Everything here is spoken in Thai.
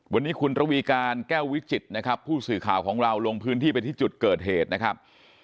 วันนี้คุณระวีการแก้ววิจิตรนะครับผู้สื่อข่าวของเราลงพื้นที่ไปที่จุดเกิดเหตุนะครับ